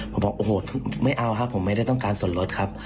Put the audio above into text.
ผมบอกโอ้โหไม่เอาครับ